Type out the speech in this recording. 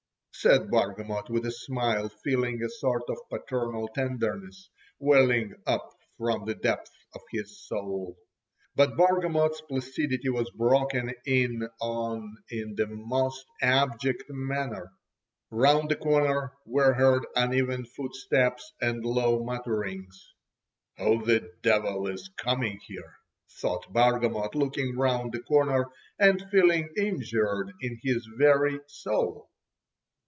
said Bargamot with a smile, feeling a sort of paternal tenderness welling up from the depths of his soul. But Bargamot's placidity was broken in on in the most abject manner. Round the corner were heard uneven footsteps and low mutterings. "Who the devil is coming here?" thought Bargamot, looking round the corner and feeling injured in his very soul.